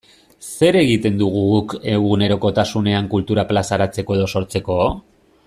Zer egiten dugu guk egunerokotasunean kultura plazaratzeko edo sortzeko?